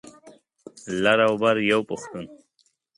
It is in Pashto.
لر او بر یو پښتون.